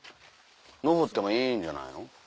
上ってもいいんじゃないの？